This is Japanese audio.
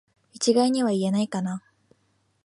一概には言えないかな